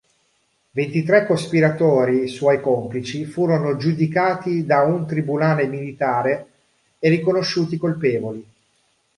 Ventitré cospiratori suoi complici furono giudicati da un Tribunale Militare e riconosciuti colpevoli.